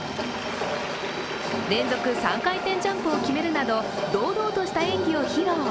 連続３回転ジャンプを決めるなど堂々とした演技を披露。